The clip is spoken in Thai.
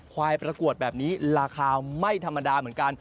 ประกวดแบบนี้ราคาไม่ธรรมดาเหมือนกัน